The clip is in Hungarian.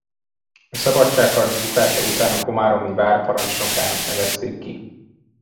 A szabadságharc bukása után a komáromi vár parancsnokának nevezték ki.